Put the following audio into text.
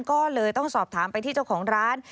ก็เลยต้องสอบถามไปที่เจ้าของร้าน